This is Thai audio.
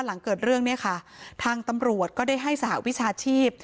หลังเกิดเรื่องเนี่ยค่ะทางตำรวจก็ได้ให้สหวิชาชีพ